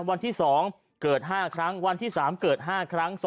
วันที่๒เกิด๕ครั้งวันที่๓เกิด๕ครั้ง